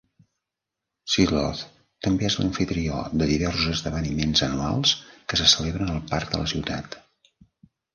Silloth també és l'amfitrió de diversos esdeveniments anuals que se celebren al parc de la ciutat.